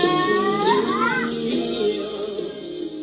แต่พ่อเขาคนจัดเชียงเศร้า